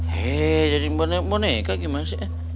hei jadi boneka gimana sih